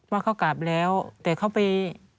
ว่าเขากลับแล้วแต่เขาไป